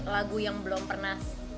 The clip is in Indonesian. lagu yang belum pernah